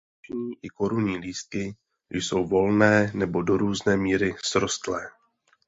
Kališní i korunní lístky jsou volné nebo do různé míry srostlé.